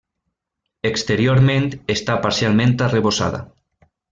Exteriorment està parcialment arrebossada.